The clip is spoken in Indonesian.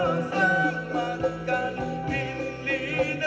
orkes puisi sampak gusuran